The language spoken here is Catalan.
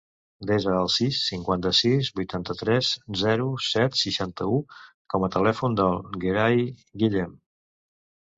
Desa el sis, cinquanta-sis, vuitanta-tres, zero, set, seixanta-u com a telèfon del Gerai Guillem.